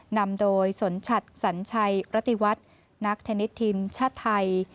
นำโดยสนชัดสัญชัยรติวัฒน์นักเทนนิสทีมชาติไทย